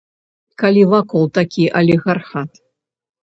Калі вакол такі алігархат.